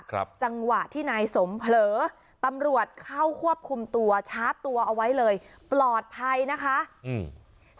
จังหวะที่นายสมเผลอตำรวจเข้าควบคุมตัวชาร์จตัวเอาไว้เลยปลอดภัยนะคะอืม